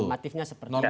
normatifnya seperti itu